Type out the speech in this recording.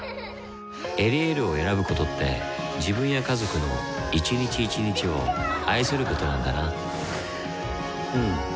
「エリエール」を選ぶことって自分や家族の一日一日を愛することなんだなうん。